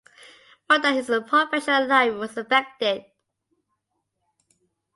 More than his professional life was affected.